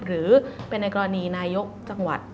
หรือเป็นในกรณีนายกจังหวัด